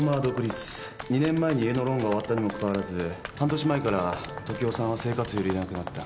２年前に家のローンが終わったにもかかわらず半年前から時夫さんは生活費を入れなくなった。